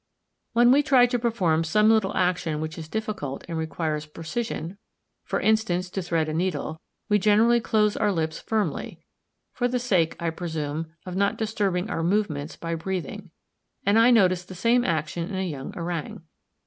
When we try to perform some little action which is difficult and requires precision, for instance, to thread a needle, we generally close our lips firmly, for the sake, I presume, of not disturbing our movements by breathing; and I noticed the same action in a young Orang.